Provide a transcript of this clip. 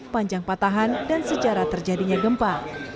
panjang patahan dan secara terjadinya gempa